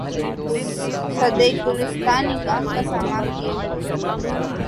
صد گلستاں نِگاه کا ساماں کئے ہوے